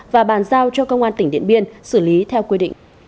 và bàn giao cho công an tỉnh điện biên xử lý theo quy định